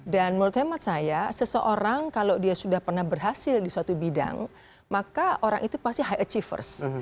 dan menurut saya seseorang kalau dia sudah pernah berhasil di suatu bidang maka orang itu pasti high achievers